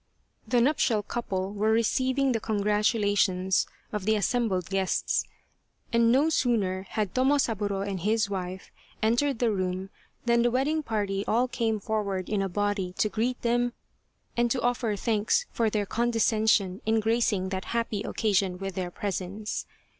The nuptial couple were receiving the congratu lations of the assembled guests, and no sooner had Tomosaburo and his wife entered the room than the wedding party all came forward in a body to greet them and to offer thanks for their condescension in gracing that happy occasion with their presence.